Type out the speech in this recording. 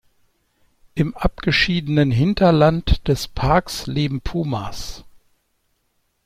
Im abgeschiedenen Hinterland des Parks leben Pumas.